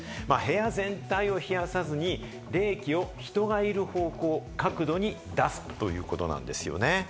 部屋全体を冷やさずに冷気を人がいる方向、角度に出すということなんですね。